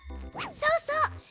そうそう。